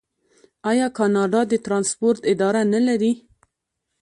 آیا کاناډا د ټرانسپورټ اداره نلري؟